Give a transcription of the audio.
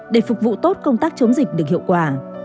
để phục vụ tốt công tác chống dịch được hiệu quả